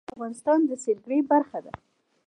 مېوې د افغانستان د سیلګرۍ برخه ده.